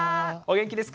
元気です。